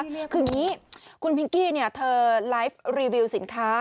คืออย่างนี้คุณพิงกี้เนี่ยเธอไลฟ์รีวิวสินค้า